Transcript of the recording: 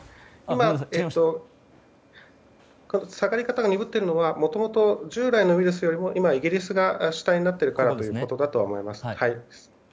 下がり方が鈍っているのはもともと従来のウイルスよりイギリスが主体になっているからだと思います。